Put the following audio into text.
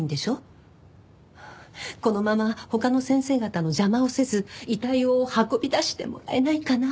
このまま他の先生方の邪魔をせず遺体を運び出してもらえないかな？